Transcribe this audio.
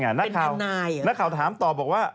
นั่นไงนักข่าวถามตอบบอกว่า